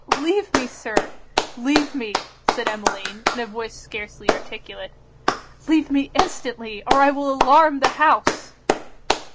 'Leave me, Sir! leave me!' said Emmeline, in a voice scarcely articulate. 'Leave me instantly, or I will alarm the house!'